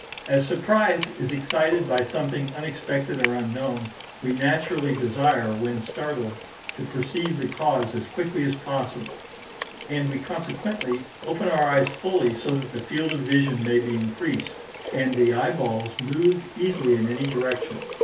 As surprise is excited by something unexpected or unknown, we naturally desire, when startled, to perceive the cause as quickly as possible; and we consequently open our eyes fully, so that the field of vision may be increased, and the eyeballs moved easily in any direction.